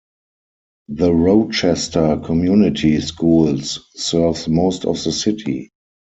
The Rochester Community Schools serves most of the city.